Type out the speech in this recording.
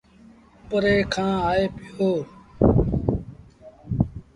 پري کآݩ آئي پيو۔